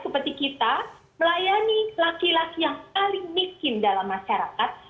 mereka melayani laki laki yang paling miskin dalam masyarakat